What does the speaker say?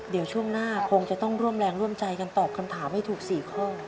เดี๋ยวช่วงหน้าคงจะต้องร่วมแรงร่วมใจกันตอบคำถามให้ถูก๔ข้อ